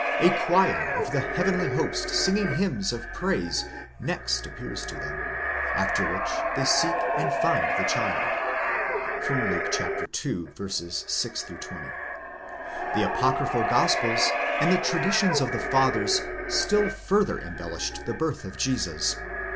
A choir of the heavenly host singing hymns of praise next appears to them, after which they seek and find the child. (Luke ii. 6 20.) The apocryphal gospels and the traditions of the Fathers still further em bellished the birth of Jesus.